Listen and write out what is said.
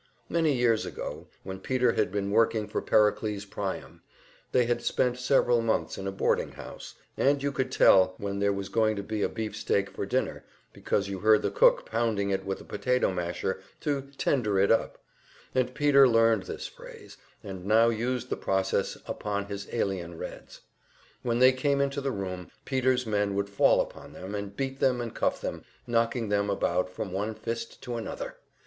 Many years ago, when Peter had been working for Pericles Priam, they had spent several months in a boarding house, and you could tell when there was going to be beef steak for dinner, because you heard the cook pounding it with the potato masher to "tender it up;" and Peter learned this phrase, and now used the process upon his alien Reds. When they came into the room, Peter's men would fall upon them and beat them and cuff them, knocking them about from one fist to another.